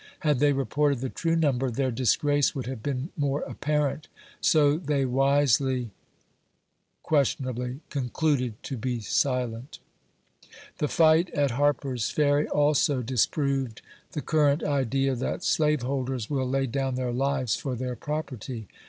Had they reported the true number, their disgrace would have been more apparent ; so they wisely (?) concluded to be silent. The fight at Harper's Ferry also disproved the current idea that slaveholders will lay down their lives for their property.